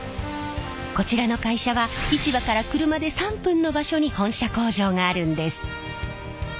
こちらの会社は市場から車で３分の場所に本社工場があるんです。